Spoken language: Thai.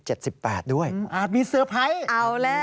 อาจมีเซอร์ไพต์อาจมีเซอร์ไพต์นะครับอ๋อ